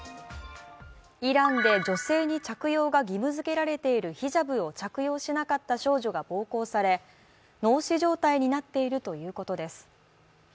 イランで女性に着用が義務づけられているヒジャブを着用しなかった少女が暴行され脳死状態になっているということです。